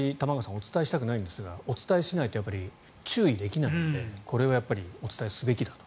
お伝えしたくないんですがお伝えしないと注意できないのでこれはお伝えすべきだと。